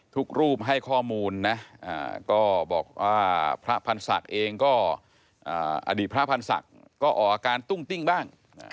รูปให้ข้อมูลนะก็บอกว่าพระพันธ์ศักดิ์เองก็อดีตพระพันธ์ศักดิ์ก็ออกอาการตุ้งติ้งบ้าง